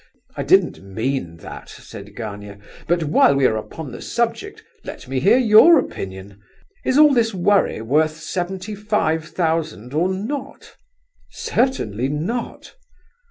"I didn't mean that," said Gania; "but while we are upon the subject, let me hear your opinion. Is all this worry worth seventy five thousand or not?" "Certainly not."